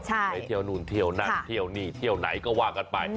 ไปเที่ยวนู่นเที่ยวนั่นเที่ยวนี่เที่ยวไหนก็ว่ากันไป